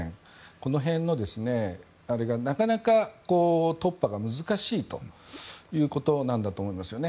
この辺のあれが、なかなか突破が難しいということなんだと思いますよね。